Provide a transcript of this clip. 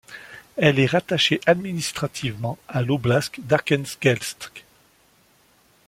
Elle est rattachée administrativement à l'oblast d'Arkhangelsk.